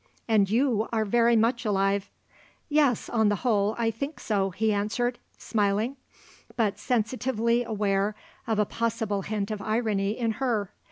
"And you are very much alive." "Yes, on the whole, I think so," he answered, smiling, but sensitively aware of a possible hint of irony in her.